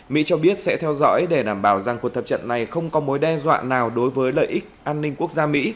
mỹ cho biết sẽ theo dõi để đảm bảo rằng cuộc tập trận này không có mối đe dọa nào đối với lợi ích an ninh quốc gia mỹ